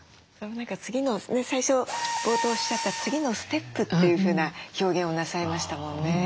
最初冒頭おっしゃった次のステップというふうな表現をなさいましたもんね。